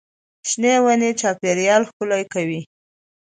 شنې ونې چاپېریال ښکلی کوي.